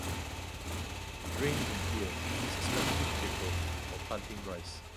Grain in Ear is especially critical for planting rice.